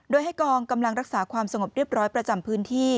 โดยให้กองกำลังรักษาความสงบเรียบร้อยประจำพื้นที่